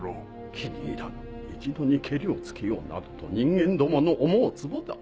気に入らぬ一度にケリをつけようなどと人間どもの思うツボだ。